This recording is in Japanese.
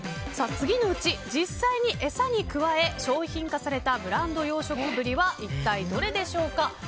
次のうち実際に餌に加え商品化されたブランド養殖ブリは一体どれでしょうか。